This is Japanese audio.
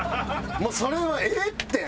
もうそれはええって！